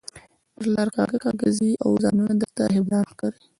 پر لار کاږه کاږه ځئ او ځانونه درته رهبران ښکاري